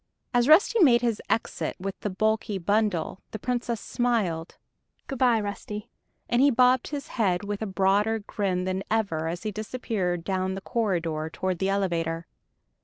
As Rusty made his exit with the bulky bundle, the Princess smiled: "Good by, Rusty," and he bobbed his head with a broader grin than ever as he disappeared down the corridor toward the elevator.